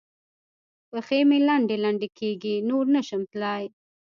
پښې مې لنډې لنډې کېږي؛ نور نه شم تلای.